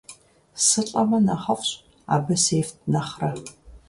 СылӀэмэ нэхъыфӀщ, абы сефт нэхърэ.